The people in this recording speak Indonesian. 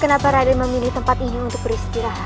kenapa raden memilih tempat ini untuk beristirahat